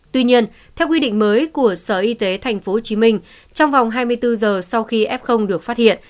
tuy nhiên theo quy định mới của sở y tế tp hcm trong vòng hai mươi bốn giờ sau khi f được phát hiện